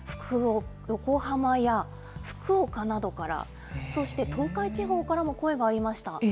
横浜や福岡などから、そして東海地方からも声がありました。